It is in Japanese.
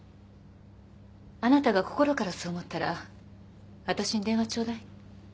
あなたが心からそう思ったら私に電話ちょうだい。